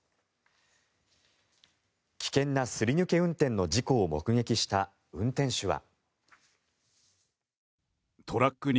危険なすり抜け運転の事故を目撃した運転手は。